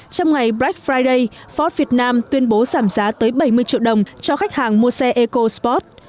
trong ngày black friday ford việt nam tuyên bố giảm giá tới bảy mươi triệu đồng cho khách hàng mua xe ecosport